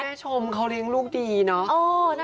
แล้วแม่ชมเขาเลี้ยงลูกดีเนอะ